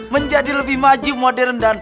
menjadi lebih maju modern